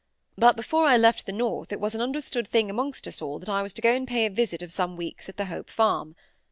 But before I left the north it was an understood thing amongst us all that I was to go and pay a visit of some weeks at the Hope Farm.